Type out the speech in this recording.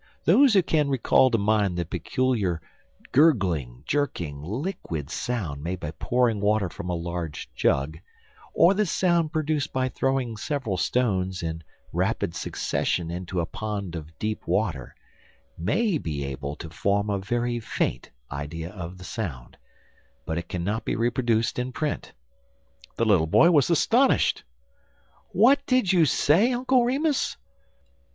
Those who can recall to mind the peculiar gurgling, jerking, liquid sound made by pouring water from a large jug, or the sound produced by throwing several stones in rapid succession into a pond of deep water, may be able to form a very faint idea of the sound, but it can not be reproduced in print. The little boy was astonished. "What did you say, Uncle Remus?"